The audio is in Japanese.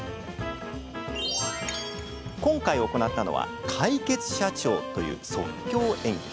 今回、行ったのは解決社長という即興演劇。